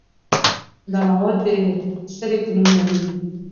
دا مواد د سرې په نوم یادیږي.